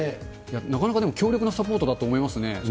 なかなかでも強力なサポートだと思いますね。